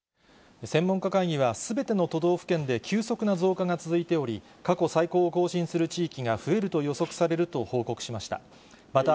専門家会議は、すべての都道府県で急速な増加が続いており、過去最高を更新する地域が増えると予測されると報告しました。